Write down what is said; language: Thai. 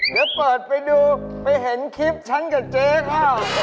เดี๋ยวเปิดไปดูไปเห็นคลิปฉันกับเจ๊ข้าว